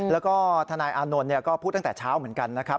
แล้วก็ทนายอานนท์ก็พูดตั้งแต่เช้าเหมือนกันนะครับ